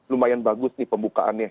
lumayan bagus nih pembukaannya